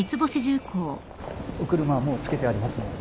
お車はもうつけてありますので。